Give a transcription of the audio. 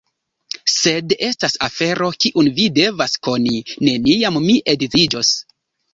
Sed estas afero, kiun vi devas koni: neniam mi edziĝos.